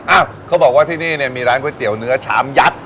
เขาบอกว่าที่นี่เนี่ยมีร้านก๋วยเตี๋ยวเนื้อชามยัด